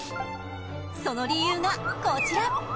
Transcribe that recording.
その理由がこちら。